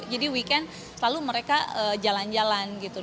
jadi weekend selalu mereka jalan jalan gitu